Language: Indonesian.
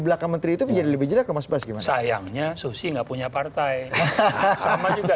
belakang menteri itu menjadi lebih jelek mas bask sayangnya susi nggak punya partai sama juga